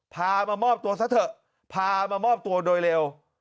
พามามอบตัวซะเถอะพามามอบตัวโดยเร็ว